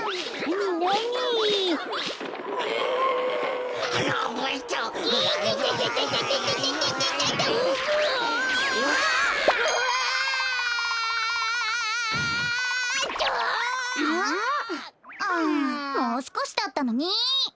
もうすこしだったのにね。